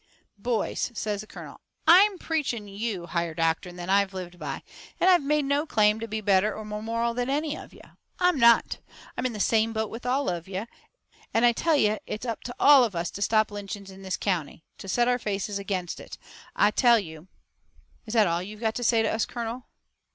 "Boys," says the colonel, "I'm preaching you higher doctrine than I've lived by, and I've made no claim to be better or more moral than any of you. I'm not. I'm in the same boat with all of you, and I tell you it's up to ALL of us to stop lynchings in this county to set our faces against it. I tell you " "Is that all you've got to say to us, colonel?"